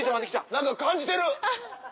何か感じてる！